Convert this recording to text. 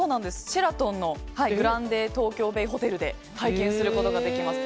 シェラトン・グランデ・トーキョーベイ・ホテルで体験することができます。